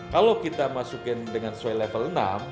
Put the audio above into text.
kalau kita masukin dengan sesuai level enam